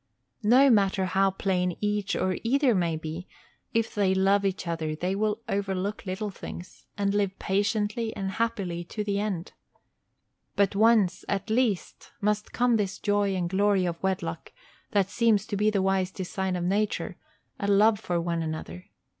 No matter how plain each or either may be, if they love each other they will overlook little things, and live patiently and happily to the end. But once, at least, must come this joy and glory of wedlock, that seems to be the wise design of Nature, a love for one another.